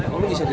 kok lu bisa di